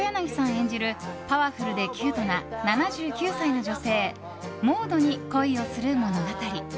演じるパワフルでキュートな７９歳の女性モードに恋をする物語。